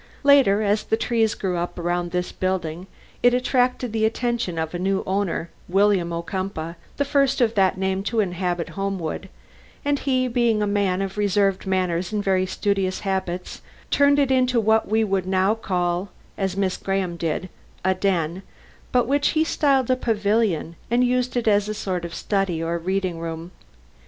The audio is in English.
Later, as the trees grew up around this building, it attracted the attention of a new owner, William Ocumpaugh, the first of that name to inhabit Homewood, and he, being a man of reserved manners and very studious habits, turned it into what we would now call, as Miss Graham did, a den, but which he styled a pavilion, and used as a sort of study or reading room.